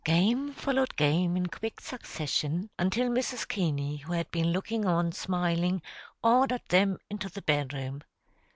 Game followed game in quick succession, until Mrs. Keaney, who had been looking on smiling, ordered them into the bedroom.